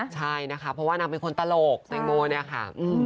ใช่นะคะเพราะว่านางเป็นคนตลกแตงโมเนี่ยค่ะ